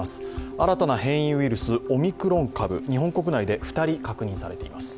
新たな変異ウイルス、オミクロン株日本国内で２人確認されています。